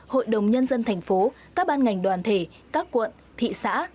hội đồng nhân dân thành phố các ban ngành đoàn thể các quận thị xã